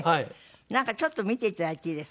なんかちょっと見ていただいていいですか？